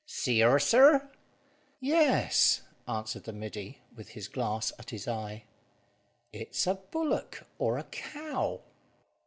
"See her, sir?" "Yes," answered the middy, with his glass at his eye. "It's a bullock or a cow."